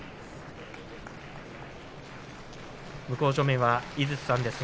向正面は井筒さんです。